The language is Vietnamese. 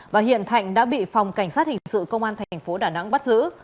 và hiện thạnh đã bị phòng cảnh sát hình sự công an thành phố đà nẵng bắt giữ